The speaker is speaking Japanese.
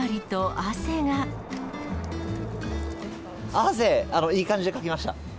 汗、いい感じでかきました。